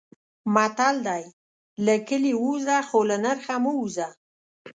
متل دی: له کلي ووځه خو له نرخه مه وځه.